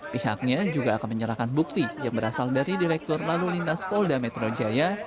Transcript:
pihaknya juga akan menyerahkan bukti yang berasal dari direktur lalu lintas polda metro jaya